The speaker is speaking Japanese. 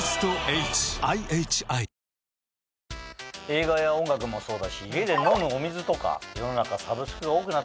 映画や音楽もそうだし家で飲むお水とか世の中サブスクが多くなったよね。